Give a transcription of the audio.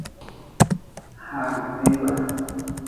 Haare tiibe.